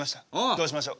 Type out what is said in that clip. どうしましょ。